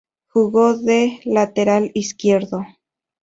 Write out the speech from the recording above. Jugó de lateral izquierdo.